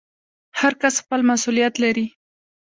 هر کس خپل مسوولیت لري